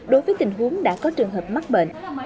đối với tình huống đã có trường hợp mắc bệnh